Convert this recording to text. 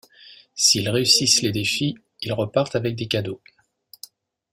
S’ils réussissent les défis, ils repartent avec des cadeaux.